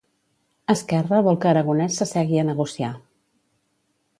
Esquerra vol que Aragonès s'assegui a negociar.